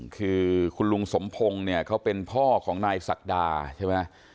คือคุณลุงสมพงศ์เนี่ยเขาเป็นพ่อของนายศักดาใช่ไหม